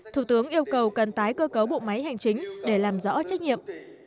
thủ tướng yêu cầu cần tái cơ cấu bộ máy hành chính để làm rõ trách nhiệm